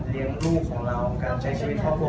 เลี้ยงลูกของเราการใช้ชีวิตครอบครัว